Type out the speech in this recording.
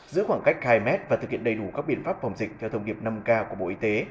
giữa khoảng cách hai m và thực hiện đầy đủ các biện pháp phòng dịch theo thông điệp năm k của bộ y tế